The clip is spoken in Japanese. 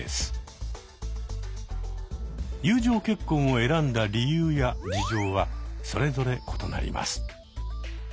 友情結婚を選んだ理由や事情はそれぞれ異なります。